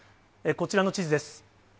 こちらの地図です。